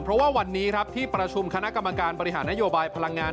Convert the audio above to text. เพราะว่าวันนี้ครับที่ประชุมคณะกรรมการบริหารนโยบายพลังงาน